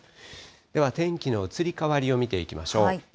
では天気の移り変わりを見ていきましょう。